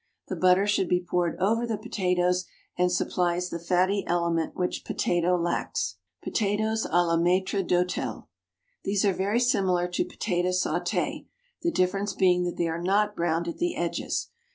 The butter should be poured over the potatoes, and supplies the fatty element which potato lacks. POTATOES A LA MAITRE D'HOTEL. These are very similar to potato saute, the difference being that they are not browned at the edges.